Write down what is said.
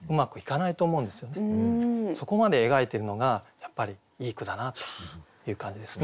そこまで描いてるのがやっぱりいい句だなという感じですね。